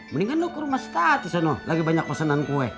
mendingan lu ke rumah stati sana lagi banyak pesenan kue